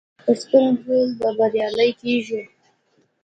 پر ستونزو به بريالي کيږو.